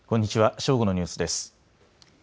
正午のニュースです。